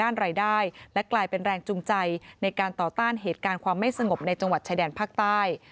ในการต่อต้านเหตุการณ์ความไม่สงบในจังหวัดชายแดนภาคใต้